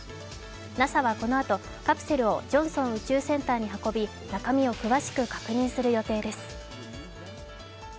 ＮＡＳＡはこのあと、カプセルをジョンソン宇宙センターに運び中身を詳しく確認する予定です。